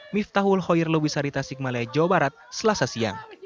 miftahul hoyerluwisarita sikmalaya jawa barat selasa siang